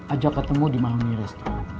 ajak ketemu di maung miris